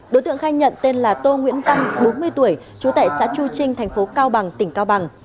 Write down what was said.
đối tượng khai nhận tên là tô nguyễn văn bốn mươi tuổi trú tại xã chu trinh thành phố cao bằng tỉnh cao bằng